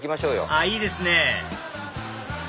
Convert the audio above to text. あいいですね！